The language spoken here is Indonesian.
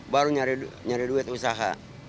baru nyari duit usaha